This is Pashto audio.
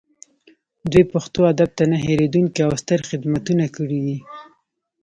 دوی پښتو ادب ته نه هیریدونکي او ستر خدمتونه کړي دي